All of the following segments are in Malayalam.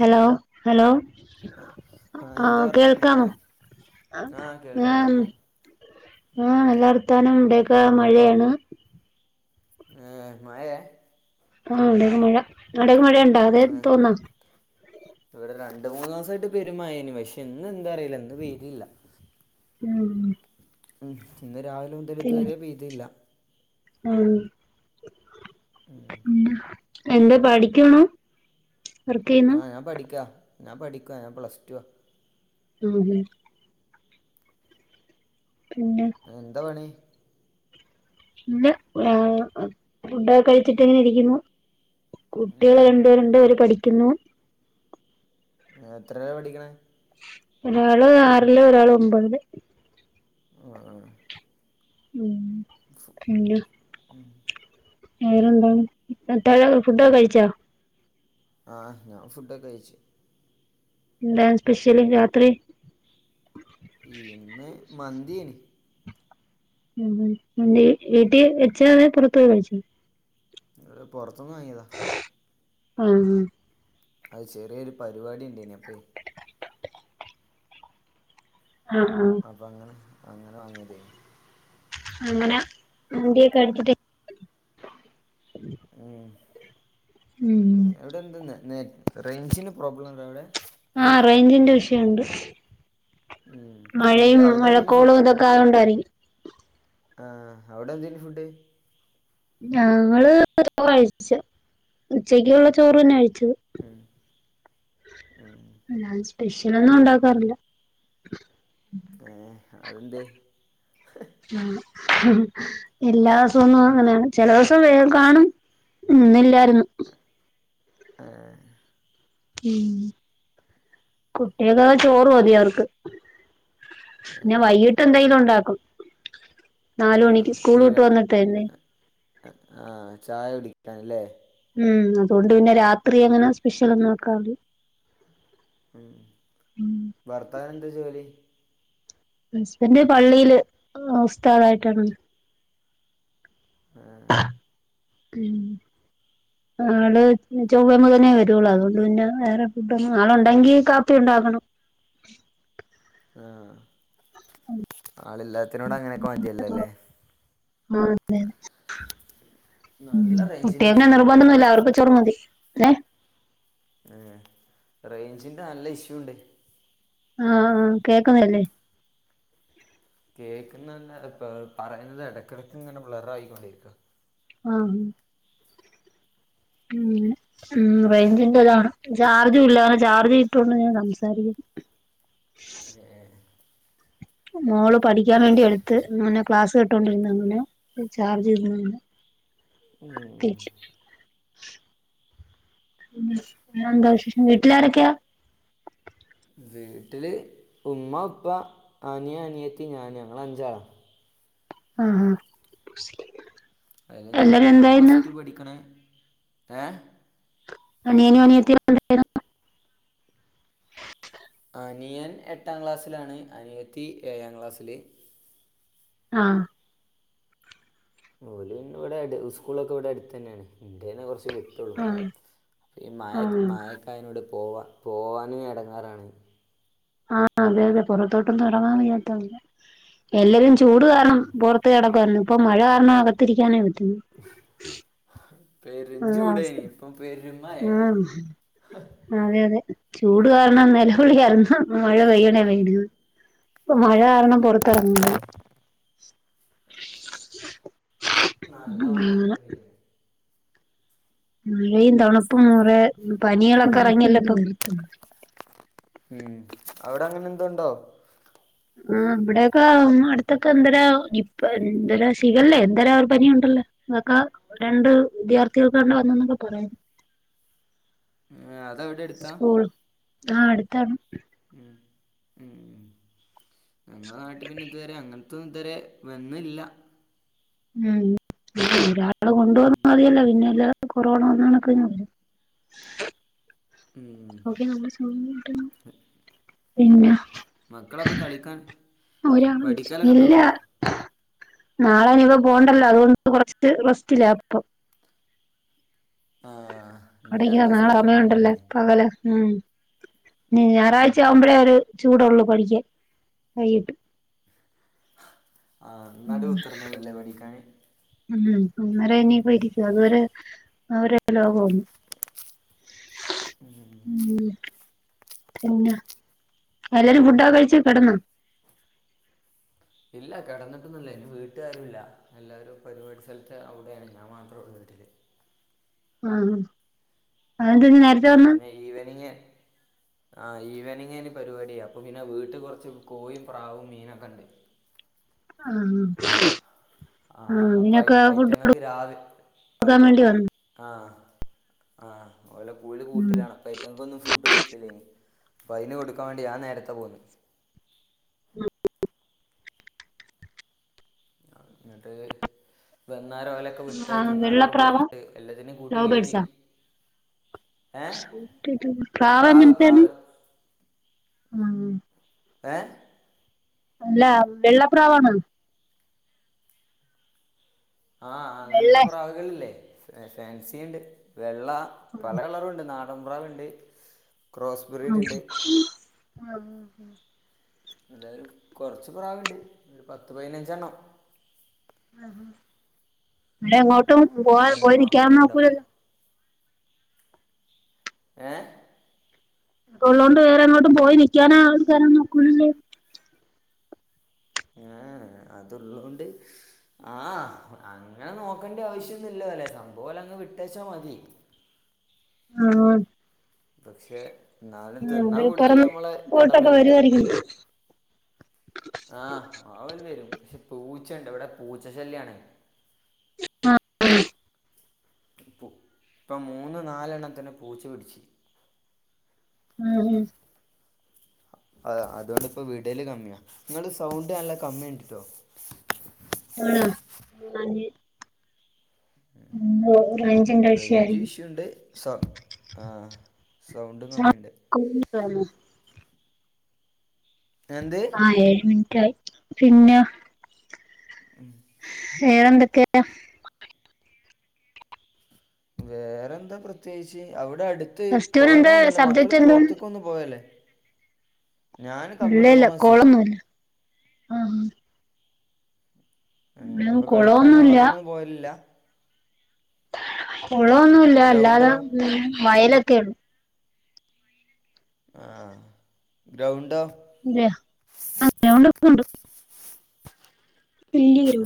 ഹലോ ഹലോ ആ ആഹ ആഹ് എന്താ വർത്തനം കേൾക്കാമോ ആഹ കേൾക്കാം കേൾക്കാം ആഹ നല്ല വർത്താനം ഇവിടെയൊക്കെ മഴയാണ് ഏ മയെ ആ വിടെക്കെ മഴ നാടക മഴ ഇണ്ട അത് തോന്നാ ഇവിടെ രണ്ട മൂന്ന് ദിവസ ആയിട്ട് പെരുമായയേനി പക്ഷെ ഇന്ന് എന്താ അറിയിലന്ന് ഇന്ന് വെയിലില്ല ഉം ഉം ഇന്ന് രാവിലെ മുതൽ ഇതുവരെ പെയ്തില്ല ആഹ പിന്ന എന്താ പഠിക്കണ ആ ഞാൻ പഠിക്കാ ഞാൻ പഠിക്കു ഞാൻ പ്ലസ്ടുവാ ആ പിന്നെ എന്താ പണി പിന്നെ ഫുഡൊക്കെ കഴിച്ചിട്ട് എങ്ങനെ ഇരിക്കുന്നു കുട്ടികൾ ഉം രണ്ട് പേര്ണ്ട് അവര് പഠിക്കുന്നു എത്രല പഠിക്കണേ ഒരാള് ആറില് ഒരാള് ഒമ്പതില് ആ ആ [unintelligible] വേറെന്ത താഴ ഫുഡൊ കഴിച്ചാ ആഹ ഞാൻ ഫുഡൊക്കെ കയിച്ചു എന്താ സ്പെഷ്യലി രാത്രി ഇന്ന് മന്തിയനി ഉ വീട്ടിൽ വെച്ചെ പുറത്തു പോ ചച്ച ഇ പൊറത്തന്ന് വാങ്ങിയതാ ആഹ ആഹ അത് ചെറിയൊരു പരിപാടി ഉണ്ട് ഇന അപ്പേ ആഹ് ആഹ് അപ്പൊ അങ്ങനെ അങ്ങനെ വാങ്ങിയത അങ്ങനെ നതിയൊക്കെ അടുിച്ചിട്ട് ഉം ഉം എവിടെ എന്ത റേഞ്ചിന് പ്രോബ്ലം ഉണ്ടോ അവിടെ ആഹ റേഞ്ചിന്റെ വിഷയുണ്ട് ഉം എന്ത് മഴയും അവിടെ എന്തേലും ഫു മഴക്കോളും ഇതൊക്കെ ആയുകൊണ്ടായിരിക്കും ആ അവിടെ എന്തന് ഫുഡ് ഞങ്ങള് ചോറ് കഴിച്ചോ ഉച്ചക്കുള്ള ചോറ് തന്നെ കഴിച്ചത് ഉം ഉം അ സ്പെഷ്യൽ ഒന്നും ഉണ്ടാക്കാറില്ല ഏ അത് [inaudible] എന്തെ എല്ലാ ദിവസം ഒന്നും അങ്ങനെ ആണ് ചില ദിവസം കാണും ഇന്ന് ഇല്ലായിരുന്നു ഏ ഉം കുട്ടികള് ചോറ് മതി അവർക്ക് പിന്നെ വൈകിട്ട് എന്തെങ്കിലും ഉണ്ടാക്കും ആ നാല് മണിക്ക് സ്കൂൾ വിട്ട് ഇവൻ വന്നിട്ടേ ആചായ കുടിക്കാൻ അല്ലെ ഉം അതുകൊണ്ട് പിന്നെ രാത്രി എങ്ങനെ സ്പെഷ്യൽ ഒന്നും ആക്കാറു ഉം ഭർത്താവിന് എന്താ ജോലി ഹസ്ബൻഡ് പള്ളിയില് ഉസ്താദായിട്ടാണ് ആ ഉം ആള് ചൊവ് മുതേ വരുള്ളൂ അതുകൊണ്ട് പിന്നെ വേറെ ഫുഡ് ഒന്നും ആളുണ്ടെങ്കി കാപ്പി ഉണ്ട [unintelligible] ആ ആളല്ലാത്തിനോട് അങ്ങനെയൊക്കെ മറ്റിയല്ലോല്ലേ ആ അതെ ഉം നല്ല റേഞ്ചിൻ്റെ കുട്ടികൾക്ക് ഇഷ്യൂ ഉണ്ട് കേട്ടോ നിർബന്ധമൊന്നുമില്ല അവർക്ക് ചോറ് മതി ഏ ഏ റേഞ്ചിന്റെ നല്ല ഇഷ്യൂ ഉണ്ട് ആ ആ കേക്കുന്നല്ലേ കേക്കുന്നന്നെ ഇ പറയുന്നത് ഇടക്കിടക്ക് ഇങ്ങനെ ബ്ളർ ആയിക്കോണ്ടിരിക്ക ആ ഉം റേഞ്ചിന്റെ താണ് ചാർജ് ഇല്ല അനെ ചാർജ് ഇട്ടുണ്ട് ഞാൻ സംസാരിക്കുന്നു [inaudible] മോള് പഠിക്കാൻ വേണ്ടി എടുത്ത് അങ്ങനെ ക്ലാസ് കട്ടോണ്ടിരുന്ന അങ്ങനെ ചാർജ് ഉം ഉം പിന്നെന്താ വിശേഷം വീട്ടിലാരൊക്കെയാ വീട്ടില് ഉമ്മ ഉപ്പ അനിയ അനിയത്തി ഞാന് ഞങ്ങ അഞ്ചാളാണ് ആ ആ അതായത് ഞാ ഞാൻ പ്ലസ് ടു പഠിക്കണേ ഏ അനിയനും അനിയത്തിയും എന്ത് അനിയൻ എട്ടാം ക്ലാസ്സിലാണ് അനിയത്തി ഏഴാം ക്ലാസ്സില് ആ ഓലന്നെ ഇവിടെ സ്കൂളൊക്കെ ഇവിടെ അടുത്ത് തന്നെയാണ് ഇന്ത്യനെ കുറച്ച് വിട്ടുള്ളൂ ആഹ് അപ്പോ ഈ മായ ആഹ് മായക്കായനോട് പോവാ പോവാനും ഇടങ്ങാറാണ് ആ അതെ അതെ പുറത്തോട്ടും ഒന്നും ഇറങ്ങാൻ വയ്യാത്ത എല്ലരും ചൂട് കാരണം പുറത്ത് കടക്കരുന്നു ഇപ്പൊ മഴ കാരണം അകത്തിരിക്കാനേ പെരും ചൂടേനി [unintelligible] ഇപ്പം പെരും മഴേ ആ അതെ അതെ ചൂട് കാരണം [unintelligible] [unintelligible] മഴ പെയ്യണേ വേണ്ടത് ഇപ്പൊ മഴ കാരണം പറത്തിറങ്ങല്ല [inaudible] നല്ല മഴയാണ് ഇപ്പ പെയ്യണെ മഴയും തണുപ്പും റെ പനികളൊക്കെ ഇറങ്ങിയല്ല ഇപ്പം. ഉം അവിടെ അങ്ങനെ എന്തുണ്ടോ ആ ഇവിടെയൊക്കെ അടുത്തൊക്കെ എന്തരോ നിപ്പ എന്തരാ ഷിഗല്ലേ എന്തരോ ഒരു പനിയുണ്ട ല്ലോ. ഇതൊക്കെ രണ്ട് വിദ്യാർത്ഥികൾക്കാണ്ട് വന്നന്നൊക്കെ പറയുന്നു. അത അവിടെ അടുത്താ. ആ അടുത്താണ്. ഉം ഉം നമ്മടെ നാട്ടി പിന്നെ ഇതു വരെ അങ്ങന ത്തൊന്നും ഇതുവരെ വന്നില്ല. ഉം ഒരാള് കൊണ്ടു വന്നാ മതിയല്ല. പിന്നെ എല്ലാർക്കും കൊറോണ വന്നോണക്കെ ഇങ്ങനെ വരും. ഉം ഓക്കെ. നമ്മുടെ സമയായിട്ട പിന്നെ മക്കളക്കപ്പോ കളിക്കാൻ ഒരാളെ വിളിച്ചു പഠിക്കലൊക്കെണ്ടോ ഇല്ല നാളെ അതുങ്ങക്ക് പോണ്ടല്ലോ അതുകൊണ്ട് കൊറച്ച് റസ്റ്റിലാ ഇപ്പോ ആ ഇനി പഠിക്കാൻ രണ്ട് നാളെ ദിവസം ലീവാണല്ലോ സമയോണ്ടല്ല അല്ലേ പകല് ഉം ഞ് ഞായറാഴ്ച ആവുമ്പോഴേ ഒരു ചൂടുള്ളൂ പഠിക്കാൻ വൈകിട്ട് ആ ഉം ന്നാണ്ട് കുത്തർന്നാളല്ലേ പഠിക്കാന് ഉം ഒന്നര കഴിഞ്ഞ് ഇനി പോയിരിക്കും അതുവരെ അവരുടെലോക പോന്ന് ഉം ഉം പിന്നെ എല്ലാരും ഫുഡൊക്കെ കഴിച്ച് കിടന്നോ ഇല്ല കിടന്നിട്ടൊന്നുല്ല. ഇനി വീട്ടിലാരും ഇല്ല എല്ലാരും പരിപാടി സ്ഥലത്ത് അവിടെയാണ്. ഞാൻ മാത്രം ഉള്ളൂ വീട്ടില്. ആ ഞാൻ പിന്നെ ഈവെനിങ്ങ് ആ ഈവനിങ്ങേനി പരിപാടിയാ അപ്പൊ പിന്നെ വീട്ടി കുറച്ച് കോഴിയും പ്രാവും മീനൊക്കെ ഉണ്ട്. ആ ആ ആ അപ്പൊ ഐ ഐറ്റങ്ങക്ക് രാവി ഐ കൊടുക്കാൻ വേണ്ടി വന്നു ആ ആ അവല് കുയില് ഉം കൂട്ടിലാണ് അപ്പൊ ഐറ്റങ്ങക്കൊന്നും ഫുഡ് കൊടുത്തില്ലേനി അപ്പൊ അതിന് കൊടുക്കാൻ വേണ്ടി ഞാൻ നേരത്തെ പോന്നു. [inaudible] എന്നിട്ട് വന്ന് ന്നേരം ഓലെയൊക്കെ വിട്ട് ആഹ് തിന്നാനൊക്കെ കൊടുത്ത് എല്ലാത്തിനേം കൂട്ടി ലവ് കേറ്റി. ബേർഡ്സാ പ്രാവ് എങ്ങനത്തെയാണ് ആ ഏ അല്ല വെള്ളപ്രാവാണോ ആ അങ്ങനത്തെ വെള്ളെ പ്രാവികളില്ലെ സെ ഫാൻസീണ്ട്. വെള്ള പല കളറും ഉണ്ട് നാടൻ പ്രാവുണ്ട് ക്രോസ് ആ ബ്രീഡ് ഉണ്ട് ആ ആ എന്തായാലും കൊറച്ച് പ്രാവുണ്ട് ഒരു പത്ത് പതിനഞ്ചെണ്ണം എങ്ങോട്ടും പോ രണ്ട് പോയി നിക്കാൻ മക്കളുണ്ട് അപ്പം ഒക്കൂല്ലല്ലോ ഏ ഇതൊക്കെള്ളോണ്ട് വേറെങ്ങോട്ടും പോയി നിക്കാനാ [unintelligible] ഒക്കുലല്ലോ. ആ അതുള്ളോണ്ട് ആ അങ്ങനെ നോക്കേണ്ടാവശ്യം ഒന്നൂല്ലോലെ സംഭവം ഓല വിട്ടേച്ചാ മതി ആ പക്ഷെ എന്നാലും തിന്നാൻ ആഹ് കൊടുക്കല് പറന്ന് നമ്മളെ പോയിട്ടൊക്കെ കടമയല്ലേ വരുവായിരിക്കും ആ വാവല് വരും പക്ഷെ പൂച്ചെണ്ട് ഇവിടെ പൂച്ചശല്യാണ്. ആ പ ഇപ്പൊ മൂന്ന് നാലെണ്ണത്തിനെ പൂച്ച പിടിച്ച് ആഹ് ഉം ആ അതുകൊണ്ട്പ്പോ വിടല് കമ്മിയാ നിങ്ങള് സൗണ്ട് നല്ല കമ്മി ണ്ട്ട്ടോ ആണോ അ ഉം റേഞ്ച് ഇഷ്യുണ്ട് സൗ ആ സൗണ്ടും കമ്മിണ്ട് ആന്നോ എന്ത് ആഹ് ഏഴ് മിനിറ്റ് ആയി പിന്നെ വേറെന്തൊക്കെയ വേറെന്താ പ്രത്യേകിച്ച് അവിടെ വിടെ അടുത്ത് ഫെസ്റ്റിവൽ എന്താ കുളങ്ങളൊന്നുംല്ല മക്കള് സബ്ജക്ട് എന്താണ് കുളത്തക്കൊന്നും പോവല്ലേ ഇല്ലല്ല കൊമേഴ്സ് കോളൊന്നുല്ല ആഹ് ഇവിടെ അപ്പൊ കളിക്കാനോ കുളൊന്നുല്ല അങ്ങനൊ പോവലില്ല കുളമൊന്നുമല്ല അല്ലാതെ ഗ്രൗണ്ടോ വയലൊക്കെ ഉള്ളു ആഹ ഗ്രൗണ്ടോ അല്ലെയ അണ്ട്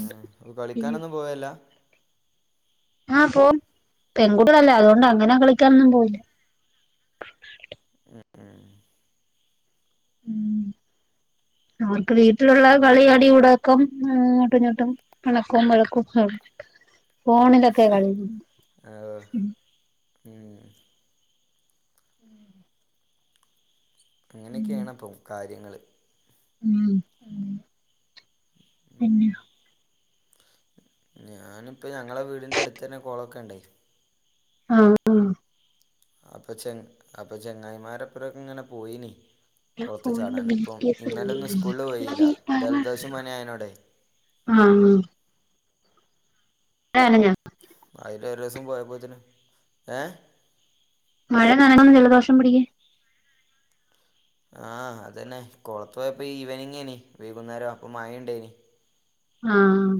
ആ അ കളിക്കാനൊന്നും പോയല്ല ആഹ പോ പെൺകുട്ടികളല്ലേ അതുകൊണ്ട് അങ്ങനാ കളിക്കാനൊന്നും പോയില്ല ഉ അവർക്ക് വീട്ടിലുള്ള കളി അടി ഉടക്കം ഉങ്ങട്ടും ങ്ങോട്ടും പണക്കവും വഴക്കവുംും ഫോണിലൊക്കെ കളിയ ഉഏ [unintelligible] അങ്ങനെയൊക്കെയാണ് അപ്പം കാര്യങ്ങള് ഉ പിന്നെ [unintelligible] ഞാനിപ്പ ഞങ്ങളെ വീടിന്റെ അടുത്ത് തന്നെ കോളൊക്കെ ഉണ്ടേ ആഹ ആ അപ്പൊ ചെ അപ്പൊ ചെങ്ങായിമാരപ്പുറൊക്കെ ഇങ്ങനെ പോയിനി കൊറത്തു ഫോണില് ചാടാൻ ബി ഇപ്പം ടി എസ് കളി. ഇന്നാലൊന്നും സ്കൂളിൽ പോയില്ല ദലദോഷമാന ആയനോടെ ആഹ് ആ ആഹ ആ ടെററിസം പോയപ്പോത്തിന് ഏ മഴ നന ജലദോഷം പിടേ ആഹ അതന്നെ കൊളത്ത പോയപ്പോ ഈവനിങ്ങേനി വൈകുന്നേരം അപ്പൊ മഴുണ്ടേനി ആഹ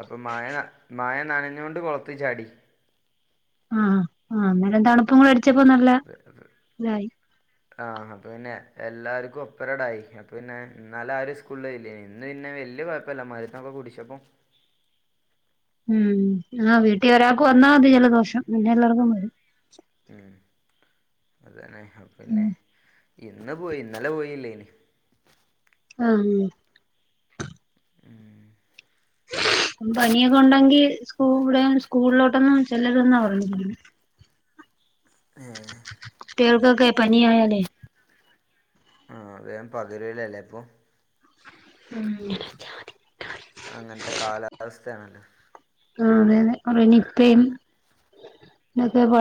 അപ്പൊ മായ ന മായ നനഞ്ഞൊണ്ട് കൊളത്ത് ചാടി ആഹ ആ് നരം തണുപ്പുംങ്ങള ആ പിന്നെ എല്ലാവർക്കും ഒപ്പരടായി അപ്പ പിന്നെ എന്നന്നാലും ആ ഒരുും സ്കൂളിൽ ഇല്ല ഇന്ന് പിന്നെ വലിയ കുഴപ്പമ മുന്നൊക്കെ കൂടിിച്ചപ്പം ഉം ആ വീട്ടിൽ ഒരാൾക്ക് വന്നാൽ മതി ജലദോഷം പിന്നെ എല്ലാവർക്കും വരും ഉം അതന്നെ ഉം പിന്നെ ഇന്ന് പോയി ഇന്നലെ പോയില്ലേ ഇനി ആ ഉഏ [unintelligible] ഉ [unintelligible] പനിയൊക്കെ ഉണ്ടെങ്കി സ്കൂ ഇവിടെ സ്കൂളിലോട്ടൊന്നും ചെല്ലതന്ന് പറ പറ ആ [unintelligible] ഏ പേർക്കക്കെ പനി ആല്ലേ ആ വേം പകരവലല്ലേ ഇപ്പൊ ഉ [unintelligible] അങ്ങനത്തെ കാലാവസ്ഥയാണല്ലോ ആ അതെഅതെ അതെ നിപ്പയും [unintelligible] [unintelligible] നിന്റേതു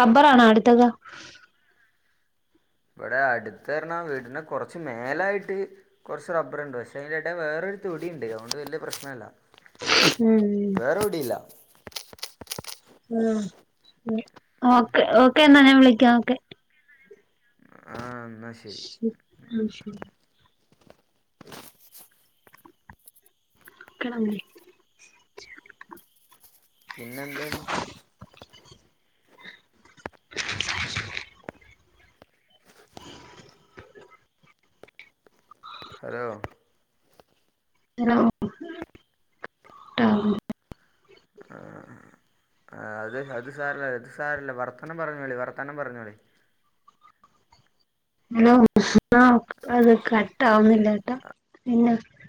റബ്ബറാണോ അടുത്തൊക്കെ ഇവിടെ അടുത്ത് പറഞ്ഞ വീടിനു കുറച്ച് മേലായിട്ട് കുറച്ച് റബ്ബറുണ്ട് പക്ഷേ അയ്‌ന്റെടെ വേറെ ഒരു തൊടിണ്ട് അതോണ്ട് വലിയ പ്രേശ്നല്ല്യ ഉം വേറെ എവിടെല്യ. [unintelligible] ഓക്കേ ഓക്കേ എന്നാ ഞാൻ വിളിക്കാം ഓക്കെ. ആഹ് എന്നാ ശരി ശ ആ ശരി [inaudible] [unintelligible] പിന്നെന്താണ് ഹലോ ഹലോ [unintelligible] ട്ടോ ആ അത് അത് സാരല്ല്യ അത് സാരല്ല്യ വർത്താനം പറഞ്ഞോളി വർത്താനം പറഞ്ഞോളി. ഹലോ [unintelligible] അത് കട്ടാവുന്നില്ലാട്ടോ പിന്നെ